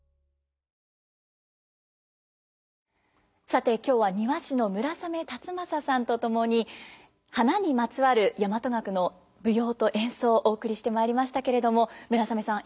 さて今日は庭師の村雨辰剛さんと共に花にまつわる大和楽の舞踊と演奏お送りしてまいりましたけれども村雨さん